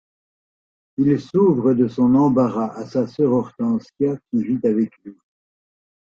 Il s'ouvre de son embarras à sa sœur Hortensia qui vit avec lui.